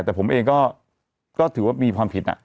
แต่ผมเองก็ถือว่ามีความผิด